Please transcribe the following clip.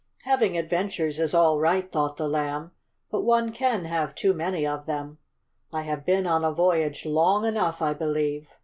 "Having adventures is all right," thought the Lamb, "but one can have too many of them. I have been on a voyage long enough, I believe.